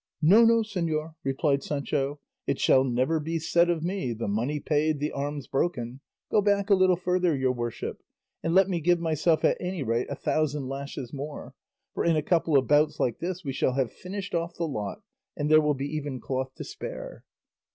'" "No, no, señor," replied Sancho; "it shall never be said of me, 'The money paid, the arms broken;' go back a little further, your worship, and let me give myself at any rate a thousand lashes more; for in a couple of bouts like this we shall have finished off the lot, and there will be even cloth to spare."